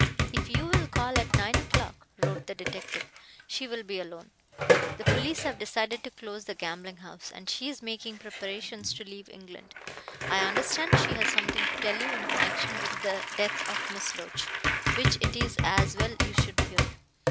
"If you will call at nine o'clock," wrote the detective, "she will be alone. The police have decided to close the gambling house, and she is making preparations to leave England. I understand she has something to tell you in connection with the death of Miss Loach, which it is as well you should hear.